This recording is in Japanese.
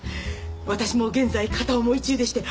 私も現在片思い中でして。